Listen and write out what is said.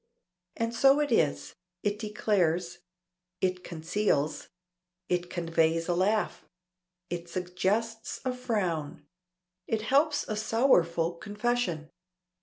And so it is. It declares. It conceals. It conveys a laugh. It suggests a frown. It helps a sorrowful confession.